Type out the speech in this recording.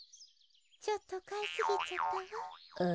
ちょっとかいすぎちゃったわ。